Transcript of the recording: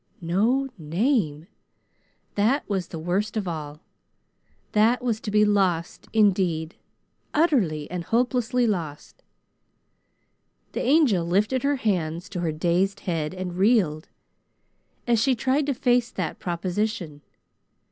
No name! That was the worst of all. That was to be lost indeed utterly and hopelessly lost. The Angel lifted her hands to her dazed head and reeled, as she tried to face that proposition.